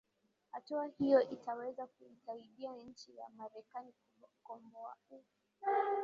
hatua hiyo itaweza kuisaidia nchi ya marekani kukoboa u